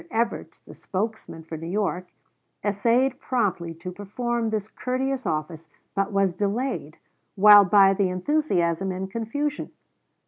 Evarts, the spokesman for New York, essayed promptly to perform this courteous office, but was delayed a while by the enthusiasm and confusion.